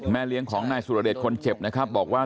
แม่เลี้ยงของนายสุรเดชคนเฉพบอกว่า